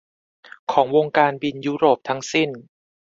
ของวงการการบินยุโรปทั้งสิ้น